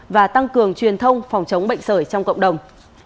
và tăng cường truyền thông phòng chống bệnh sởi trong cộng đồng